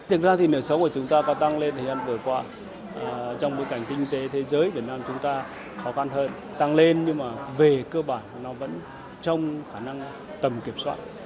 thực ra thì nợ xấu của chúng ta có tăng lên thời gian vừa qua trong bối cảnh kinh tế thế giới việt nam chúng ta khó khăn hơn tăng lên nhưng mà về cơ bản nó vẫn trong khả năng tầm kiểm soát